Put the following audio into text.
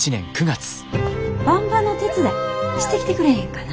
ばんばの手伝いしてきてくれへんかな？